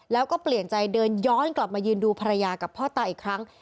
แล้วก็เปลี่ยนใจเดินย้อนกลับมายืนดูภรรยากับพ่อตาอีกครั้ง